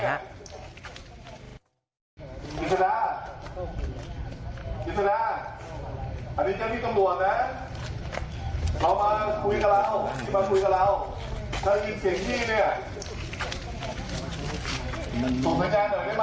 เรามาคุยกับเราถ้าได้ยินเสียงที่ส่งแสดงเหลือได้ไหม